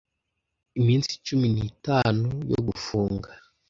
iminsi cumi n'itanu yo gufunga